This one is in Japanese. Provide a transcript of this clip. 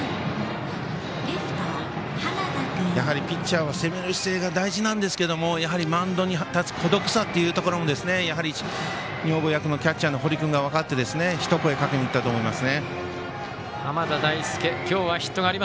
ピッチャーは攻める姿勢が大事なんですがやはりマウンドに立つ孤独さっていうところも女房役のキャッチャー堀君がよく分かって、ひと言声をかけに行ったと思います。